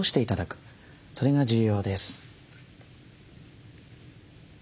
それが重要です。